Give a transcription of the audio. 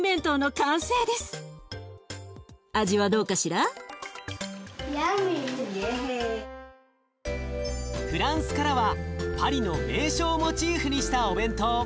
フランスからはパリの名所をモチーフにしたお弁当。